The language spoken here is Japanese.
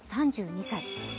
３２歳。